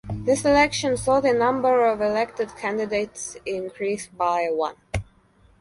This election saw the number of elected candidates increase by one.